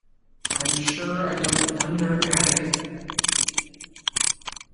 I am sure I don't wonder at it!